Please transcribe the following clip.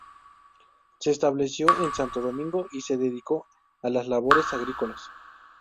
Se estableció en Santo Domingo y se dedicó a las labores agrícolas.